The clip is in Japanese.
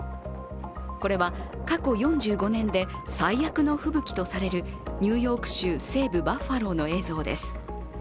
これは過去４５年で最悪の吹雪とされるニューヨーク州西部バッファローの映像です。